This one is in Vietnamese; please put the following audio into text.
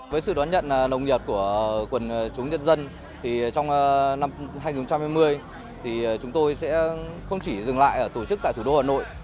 với sự đoán nhận nồng nhật của quần chúng nhân dân trong năm hai nghìn một mươi chúng tôi sẽ không chỉ dừng lại tổ chức tại thủ đô hà nội